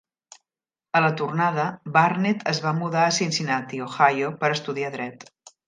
A la tornada, Burnet es va mudar a Cincinnati, Ohio, per estudiar dret.